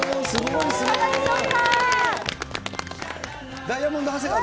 いかがでしょうか。